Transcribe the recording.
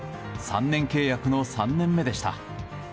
３年契約の３年目でした。